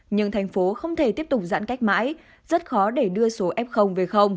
nhưng thành phố không thể tiếp tục giãn cách mãi rất khó để đưa số f về